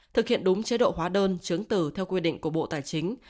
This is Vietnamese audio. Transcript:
thực hiện đúng chế độ hóa đơn chứng từ theo quy định của bộ tài chính